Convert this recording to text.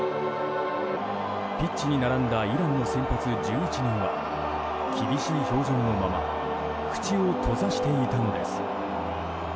ピッチに並んだイランの先発１１人は厳しい表情のまま口を閉ざしていたのです。